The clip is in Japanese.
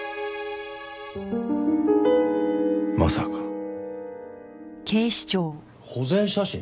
まさか保全写真？